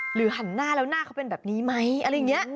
หันหน้าแล้วหน้าเขาเป็นแบบนี้ไหมอะไรอย่างนี้